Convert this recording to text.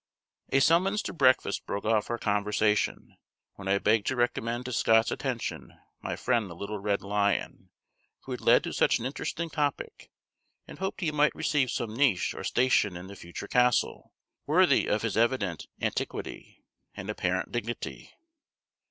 A summons to breakfast broke off our conversation, when I begged to recommend to Scott's attention my friend the little red lion, who had led to such an interesting topic, and hoped he might receive some niche or station in the future castle, worthy of his evident antiquity and apparent dignity.